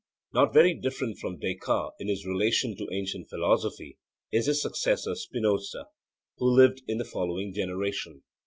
Not very different from Descartes in his relation to ancient philosophy is his successor Spinoza, who lived in the following generation.